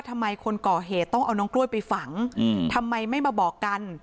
ทำไมคนก่อเหตุต้องเอาน้องกล้วยไปฝังทำไมไม่มาบอกกัน